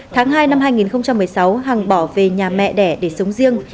tháng hai năm hai nghìn một mươi sáu hằng bỏ về nhà mẹ đẻ để sống riêng